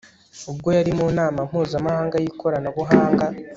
ubwo yari mu nama mpuzamahanga y'ikoranabuhanga